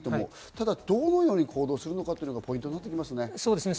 ただどのように行動するのかがポイントですね。